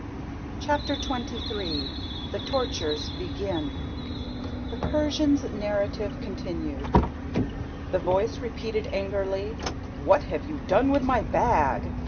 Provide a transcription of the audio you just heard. Chapter XXIII The Tortures Begin THE PERSIAN'S NARRATIVE CONTINUED. The voice repeated angrily: "What have you done with my bag?